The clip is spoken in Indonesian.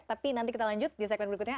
tapi nanti kita lanjut di segmen berikutnya